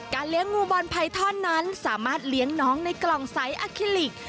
เลี้ยงงูบอลไพท่อนนั้นสามารถเลี้ยงน้องในกล่องใสอาคิลิก